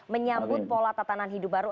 menyambut pola tatanan hidup baru